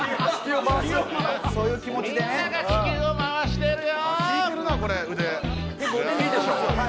みんなが地球を回してるよ。